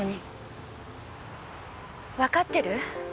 わかってる？